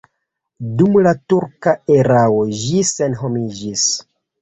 Dum la turka erao ĝi senhomiĝis.